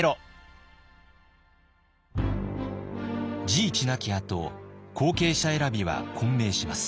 治一亡きあと後継者選びは混迷します。